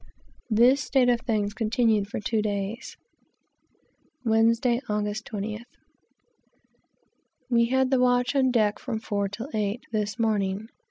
This state of things continued for two days. Wednesday, Aug. 20th. We had the watch on deck from four till eight, this morning.